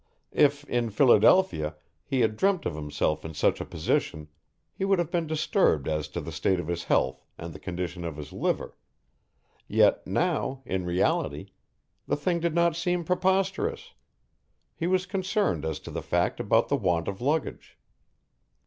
If, in Philadelphia, he had dreamt of himself in such a position he would have been disturbed as to the state of his health and the condition of his liver, yet now, in reality, the thing did not seem preposterous, he was concerned as to the fact about the want of luggage.